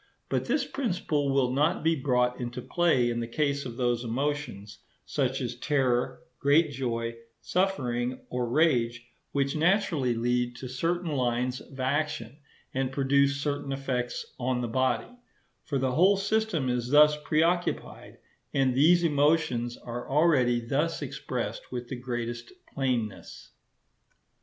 But this principle will not be brought into play in the case of those emotions, such as terror, great joy, suffering, or rage, which naturally lead to certain lines of action and produce certain effects on the body, for the whole system is thus preoccupied; and these emotions are already thus expressed with the greatest plainness.